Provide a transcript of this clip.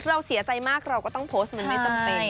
เราเสียใจมากเราก็ต้องโพสต์มันไม่จำเป็น